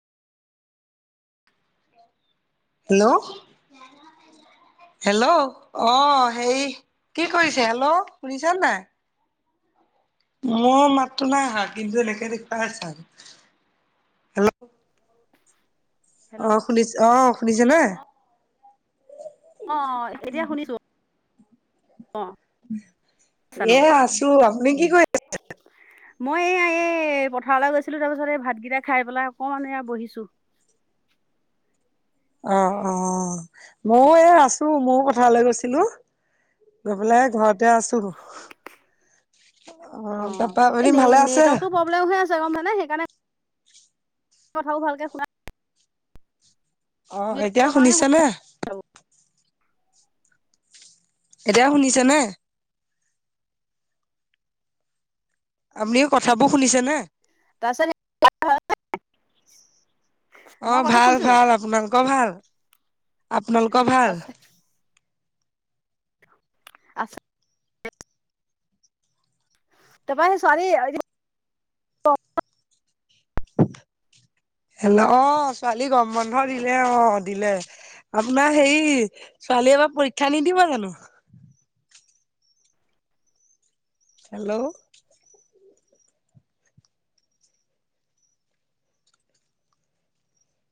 Hello! Hello, অঁ', -হেৰি কি কৰিছে? হেল্ল', শুনিছে নাই? মোৰ মাতটো নাই আহা কিন্তু এনেকে দেখুৱাই আছা। হেল্ল'! [unintelligible] অ শুনিছে, অ শুনিছে নে? অ অ এতিয়া শুনিছোঁ। অ। চানো এ, আছোঁ। আপুনি কি কৰি আছে? মই এইয়া এ পথাৰলৈ গৈছিলো। তাৰপিছত এই ভাতকেইটা খাই পেলাই অকমান এয়া বহিছো। অ', অ', ময়ো এ আছোঁ মও পথাৰলৈ গৈছিলোঁ। গৈ পেলাই ঘৰতে আছোঁ, অ', অ তাৰপৰা এই আপুনি নে ভালে আছে? নেটৱৰ্কটো হৈ আছে গম পাওঁ নে সেইকাৰণে কথাবোৰ ভালকে শুনা অ, এতিয়া নেটৱৰ্কৰ কাৰণে শুনিছে নে? এতিয়া শুনিছে নে? আমিও কথাবো শুনিছে নে? [inaudible] অ মই কথাও ভাল শুনিছো ভাল, আপোনালোকৰ ভাল? আপোনালোকৰ ভাল? আছো। তা পা সেই ছোৱালী হেল্ল'। অহ, ছোৱালী গৰম বন্ধ দিলে অহ, দিলে। আপোনাৰ হেৰি, ছোৱালীয়ে এবাৰ পৰীক্ষা নিদিব জানো? হেল্ল'!